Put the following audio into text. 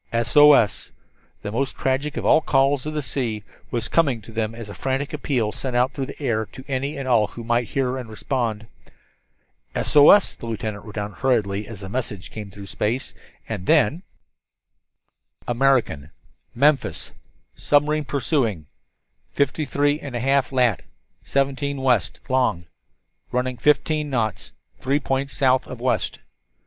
"SOS" the most tragic of all the calls of the sea, was coming to them as a frantic appeal sent out through the air to any and all who might hear and respond. "SOS," the lieutenant wrote down hurriedly as the message came through space. And then: "American Memphis submarine pursuing 53 1/2 lat. 17 W. lon. running fifteen knots three points south of west."